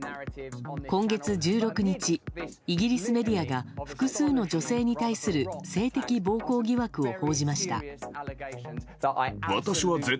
今月１６日、イギリスメディアが複数の女性に対する性的暴行疑惑を報じました。